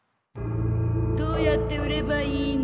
どうやって売ればいいの？